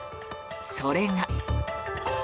それが。